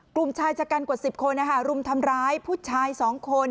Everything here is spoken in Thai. กลุ่มชายจะกันกว่าสิบคนนะคะรุมทำร้ายผู้ชายสองคน